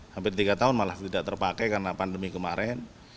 hampir tiga tahun malah tidak terpakai karena pandemi kemarin